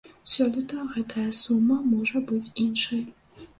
Сёлета гэтая сума можа быць іншай.